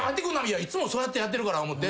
いつもそうやってやってるから思うて。